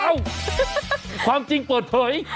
อ้าวความจริงเปอดเทย